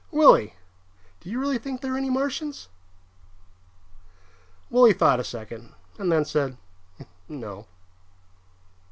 Willie, do you really think there are any Martians?" Willie thought a second and then said, "No."